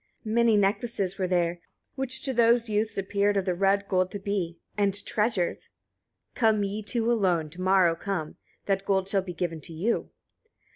20. Many necklaces were there, which to those youths appeared of the red gold to be, and treasures. "Come ye two alone, to morrow come; that gold shall be given to you.